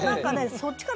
そっちかな。